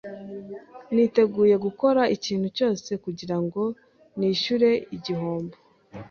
Niteguye gukora ikintu cyose kugirango nishyure igihombo.